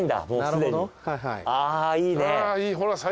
あいいね。